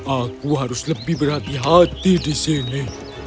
aku harus lebih berhati hati di sini